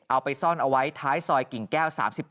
เอาไปซ่อนเอาไว้ท้ายซอยกิ่งแก้ว๓๗